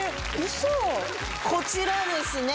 こちらですね